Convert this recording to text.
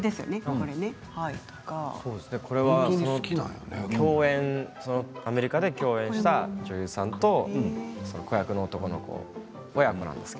これは、アメリカで共演した女優さんと子役の男の子です